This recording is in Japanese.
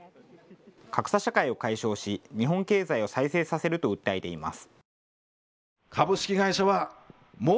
格差社会を解消し、日本経済を再生させると訴えています。